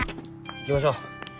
行きましょう。